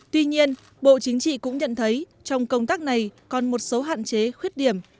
tuy nhiên bộ chính trị cũng nhận thấy trong công tác này còn một số hạn chế khuyết điểm